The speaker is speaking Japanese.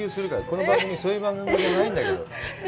この番組、そういう番組じゃないんだけど。